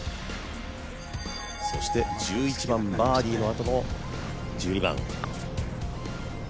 そして１１番、バーディーのあとの１２番。